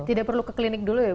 tidak perlu ke klinik dulu ya bu